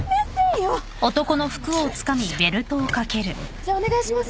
じゃお願いします。